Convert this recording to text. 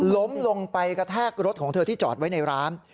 ล้มลงไปกระแทกรถของเธอที่จอดไว้ในร้าน